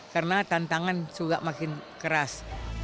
karena tantangan juga makin keras